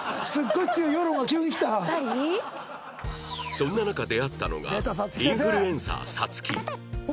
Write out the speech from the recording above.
そんな中出会ったのがインフルエンサー皐月